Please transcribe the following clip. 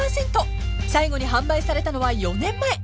［最後に販売されたのは４年前］